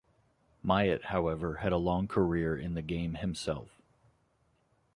Myatt, however, had a long career in the game himself.